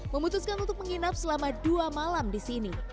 memutuskan untuk menginap selama dua malam di sini